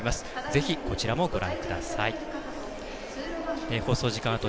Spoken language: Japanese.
ぜひ、こちらもご覧ください。